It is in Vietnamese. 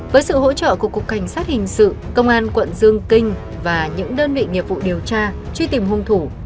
với sự hỗ trợ của cục cảnh sát hình sự công an quận dương kinh và những đơn vị nghiệp vụ điều tra truy tìm hung thủ